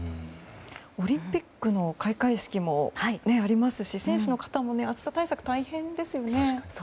オリンピックの開会式もありますし選手の方も暑さ対策大変ですよね。